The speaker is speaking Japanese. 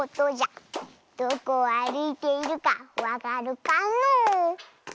どこをあるいているかわかるかのう？